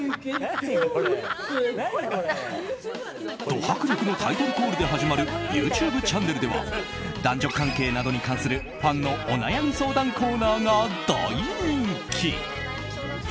ド迫力のタイトルコールで始まるＹｏｕＴｕｂｅチャンネルでは男女関係などに関するファンのお悩み相談コーナーが大人気。